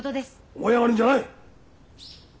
思い上がるんじゃない！